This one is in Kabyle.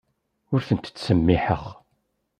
Ur tent-ttsemmiḥeɣ.